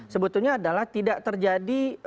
sebetulnya adalah tidak terjadi